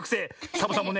サボさんもね